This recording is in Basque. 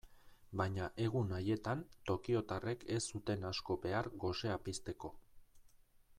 Baina egun haietan tokiotarrek ez zuten asko behar gosea pizteko.